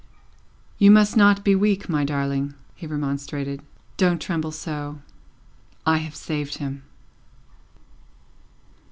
"You must not be weak, my darling," he remonstrated; "don't tremble so. I have saved him."